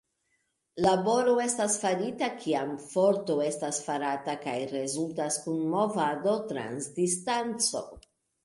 Laboro estas farita kiam forto estas farata kaj rezultas kun movado trans distanco.